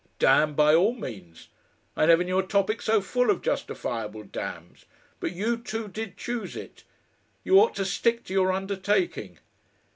"Damn by all means. I never knew a topic so full of justifiable damns. But you two did choose it. You ought to stick to your undertaking."